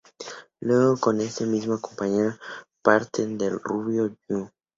Luego con este mismo compañero parten a Rubio Ñu.